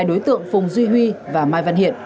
hai đối tượng phùng duy huy và mai văn hiện